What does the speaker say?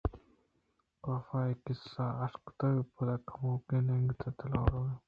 کاف اے قِصّہ ءِاش کنگءَ پد کموکیں نگیگ ءُدلوارگ بوت